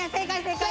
正解！